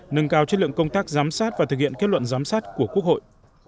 nâng cao chất lượng công tác giám sát và thực hiện kết luận giám sát của quốc hội